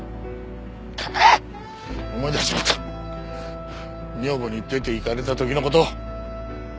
思い出しちまった女房に出て行かれた時の事。